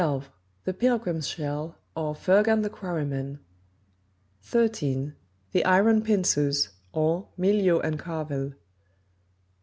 The Pilgrim's Shell; or, Fergan the Quarryman; 13. The Iron Pincers; or, Mylio and Karvel; 14.